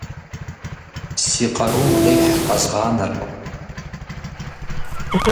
Си къарум къихь къэзгъанэркъым.